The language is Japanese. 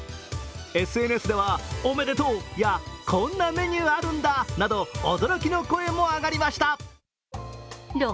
ＳＮＳでは、おめでとうや、こんなメニューあるんだなど驚きの声も上がりました。